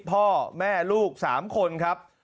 พ่อแม่ลูก๓คนครับ